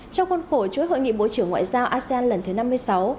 trong khuôn khổ chuỗi hội nghị bộ trưởng ngoại giao asean lần thứ năm mươi sáu